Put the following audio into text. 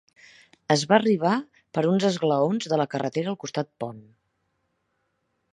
Es va arribar per uns esglaons de la carretera al costat pont.